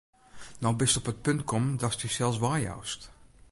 No bist op it punt kommen, datst dysels weijoust.